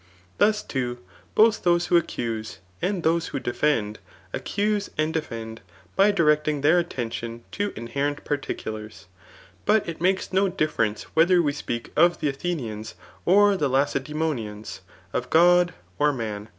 Thus too, both those who accuse^ and those who defend, accuse and de£end by directing their attention to inherent pardculars ; but it makes no diffier enoe whether we sp^ of the Athenians or Lacedaemo nians ; of God, or man.